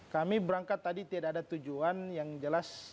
kami berangkat tadi tidak ada tujuan yang jelas